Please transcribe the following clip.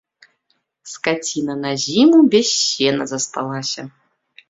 Скаціна на зіму без сена засталася.